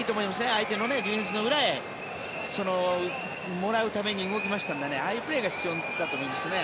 相手のディフェンスの裏へもらうために動きましたのでああいうプレーが必要だと思います。